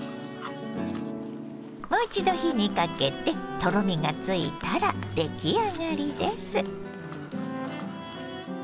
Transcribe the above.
もう一度火にかけてとろみがついたら出来上がりです。